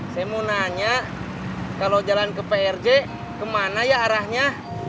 saya mau nanya kalau jalan ke prj kemana ya arahnya